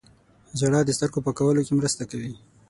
ژړا د سترګو پاکولو کې مرسته کوي